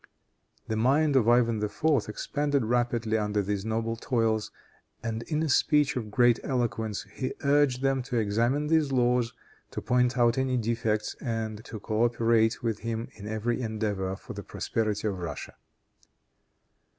The mind of Ivan IV. expanded rapidly under these noble toils, and in a speech of great eloquence he urged them to examine these laws, to point out any defects and to coöperate with him in every endeavor for the prosperity of Russia.